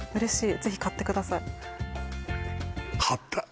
ぜひ買ってください